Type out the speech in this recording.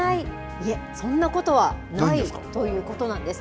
いえ、そんなことはないということなんです。